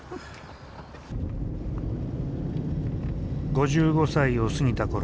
５５歳を過ぎたころ